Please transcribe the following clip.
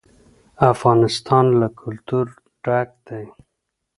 افغانستان له کلتور ډک دی.